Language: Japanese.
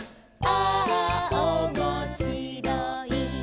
「ああおもしろい」